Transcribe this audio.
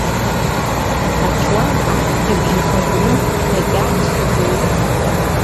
Ачуан аӷьӷьабжьы ихаҵаны дагьааччеит уи.